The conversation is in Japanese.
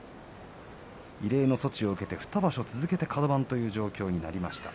異例の措置を受けて２場所続けてカド番という状況になりました。